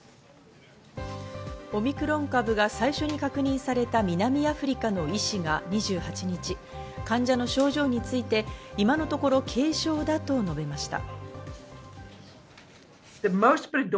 オミクロン株が最初に確認された南アフリカの医師が２８日、患者の症状について今のところ軽症だと述べました。